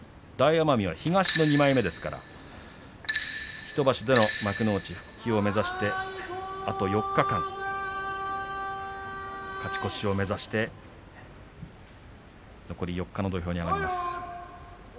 東の２枚目ですから、大奄美は１場所での幕内復帰を目指してあと４日間、勝ち越しを目指して土俵に上がります。